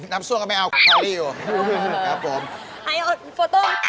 น้ำซั่วก็ไม่เอาคลอรี่อยู่